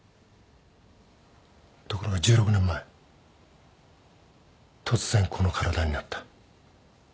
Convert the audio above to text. ところが１６年前突然この体になった。